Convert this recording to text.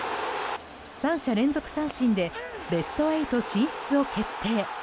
三者連続三振でベスト８進出を決定。